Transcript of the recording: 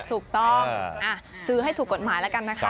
ถูกต้องซื้อให้ถูกกฎหมายแล้วกันนะคะ